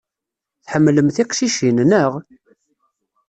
Tḥemmlem tiqcicin, naɣ?